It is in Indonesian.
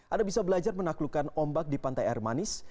anda bisa belajar menaklukkan ombak di pantai air manis